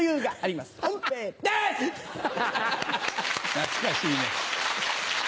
懐かしいね。